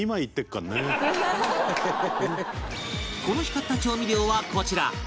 この日買った調味料はこちら